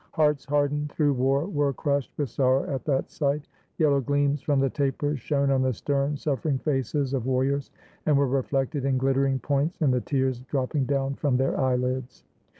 Hearts hardened through war were crushed with sorrow at that sight; yellow gleams from the tapers shone on the stern, suffering faces of war riors, and were reflected in ghttering points in the tears dropping down from their eyeHds.